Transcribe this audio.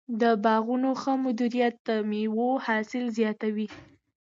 د باغونو ښه مدیریت د مېوو حاصل زیاتوي.